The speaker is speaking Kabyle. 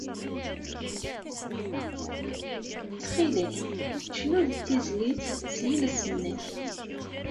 Ttxil-k, cnu-d tizlit s yiles-nnek!